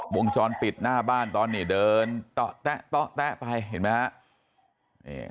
วงจรปิดน่ะบ้านตอนนี้เดินต่อแตะต่อแตะไปเห็นไหมฮะ